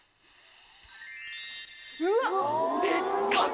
うわっ！